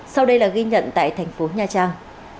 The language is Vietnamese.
sau đây là ghi nhận tại thành phố nha trang